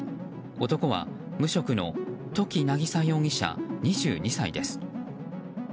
男は無職の土岐渚容疑者、２２歳です。